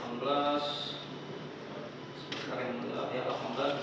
hingga kopi diletakkan di sini